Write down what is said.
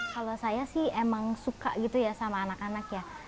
kalau saya sih emang suka gitu ya sama anak anak ya